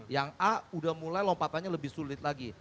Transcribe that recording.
yang a udah mulai lompatannya lebih sulit lagi